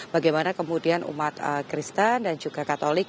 bagaimana kemudian umat kristen dan juga katolik